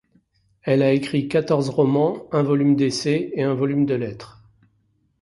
Elle a écrit quatorze romans, un volume d'essais et un volume de lettres.